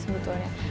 seperti kalinya kita